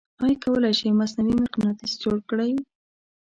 آیا کولی شئ مصنوعې مقناطیس جوړ کړئ؟